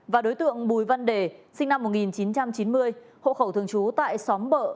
và đối tượng bùi văn đề sinh năm một nghìn chín trăm chín mươi hộ khẩu thường trú tại xóm bợ